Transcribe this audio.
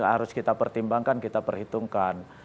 harus kita pertimbangkan kita perhitungkan